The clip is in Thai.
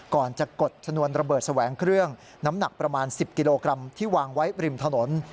ก่อนจะกดชนวนระเบิดแสวงเครื่องน้ำหนักประมาณ๑๐กิโลกรัมที่วางไว้ริมถนน